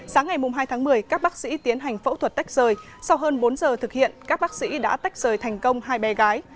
sáng ngày hai tháng một mươi các bác sĩ tiến hành phẫu thuật tách rời sau hơn bốn giờ thực hiện các bác sĩ đã tách rời thành công hai bé gái